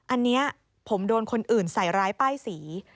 อันนี้ผมโดนคนอื่นใส่ร้ายป้ายสี